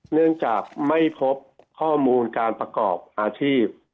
เนื่องจากไม่พบข้อมูลการประกอบอาชีพ